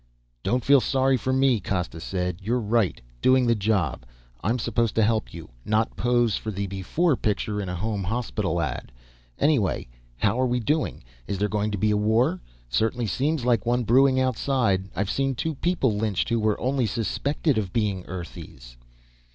"Don't feel sorry to me," Costa said. "You're right. Doing the job. I'm supposed to help you, not pose for the before picture in Home Hospital ads. Anyway how are we doing? Is there going to be a war? Certainly seems like one brewing outside. I've seen two people lynched who were only suspected of being Earthies."